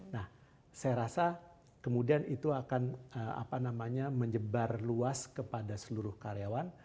nah saya rasa kemudian itu akan menyebar luas kepada seluruh karyawan